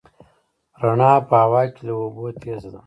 رڼا په هوا کې له اوبو تېزه ده.